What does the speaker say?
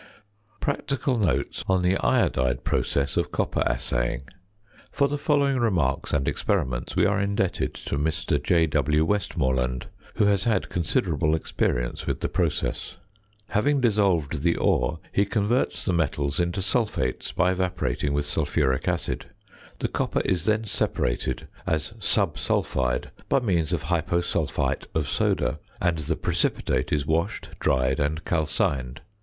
PRACTICAL NOTES ON THE IODIDE PROCESS OF COPPER ASSAYING. For the following remarks and experiments we are indebted to Mr. J.W. Westmoreland, who has had considerable experience with the process. Having dissolved the ore he converts the metals into sulphates by evaporating with sulphuric acid. The copper is then separated as subsulphide by means of hyposulphite of soda, and the precipitate is washed, dried, and calcined.